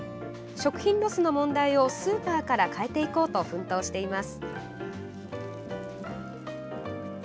食品ロスの問題をスーパーから変えていこうと奮闘しています。